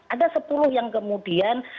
ada sepuluh yang kemudian